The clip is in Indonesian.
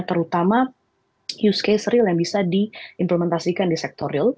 terutama use case real yang bisa diimplementasikan di sektor real